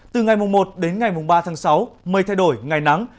từ ngày một đến ngày mùng ba tháng sáu mây thay đổi ngày nắng